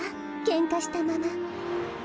けんかしたまま。